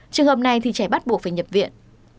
trường hợp này thì trẻ bắt buộc phải nhập viện